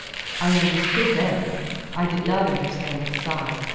I understood them. I did not understand the sigh.